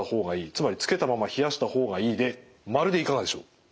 つまりつけたまま冷やした方がいいで○でいかがでしょう。